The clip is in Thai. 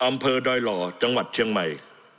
อำเภอโดยรอจังหวัดเทียงใหม่